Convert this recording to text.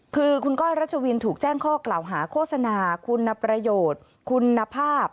คือคุณก้อยรัชวินถูกแจ้งข้อกล่าวหาโฆษณาคุณประโยชน์คุณภาพ